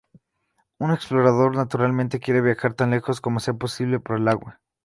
Un explorador, naturalmente, quiere viajar tan lejos como sea posible por el agua.